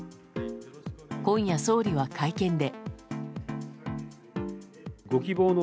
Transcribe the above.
今夜、総理は会見で。